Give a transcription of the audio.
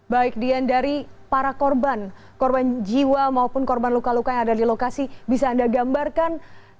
baik dian dari para korban korban jiwa maupun korban luka luka yang ada di lokasi bisa anda gambarkan